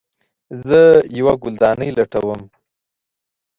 زه یوه ګلدانۍ لټوم